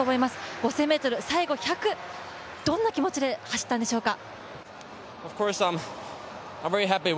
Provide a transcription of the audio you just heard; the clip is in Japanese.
５０００ｍは最後１００、どんな気持ちで走ったんでしょうか。